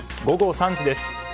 午後３時です。